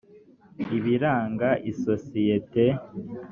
ibiranga isosiyete